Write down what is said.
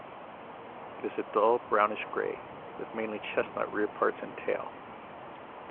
It is dull brownish-grey, with mainly chestnut rear parts and tail.